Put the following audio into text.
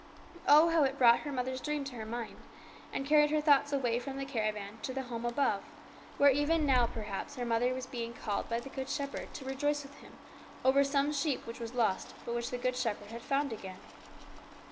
Oh, how it brought her mother's dream to her mind, and carried her thoughts away from the caravan to the home above, where even now, perhaps, her mother was being called by the Good Shepherd to rejoice with Him over some sheep which was lost, but which the Good Shepherd had found again.